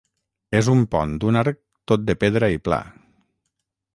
És un pont d'un arc tot de pedra i pla.